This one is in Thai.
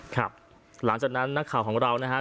ครับหลังจากนั้นนักข่าวของเรานะครับ